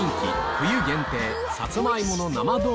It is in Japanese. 冬限定